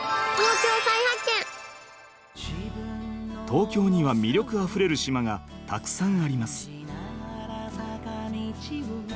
東京には魅力あふれる島がたくさんあります。